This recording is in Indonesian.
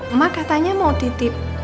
emak katanya mau titip